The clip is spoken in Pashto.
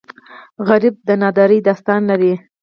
غریب د نادارۍ داستان لري